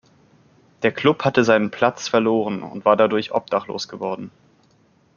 Der Klub hatte seinen Platz verloren und war dadurch obdachlos geworden.